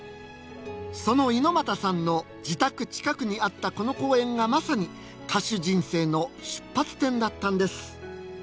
その猪俣さんの自宅近くにあったこの公園がまさに歌手人生の出発点だったんです。